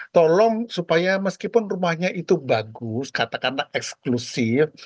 tolong supaya meskipun rumahnya itu bagus katakanlah eksklusif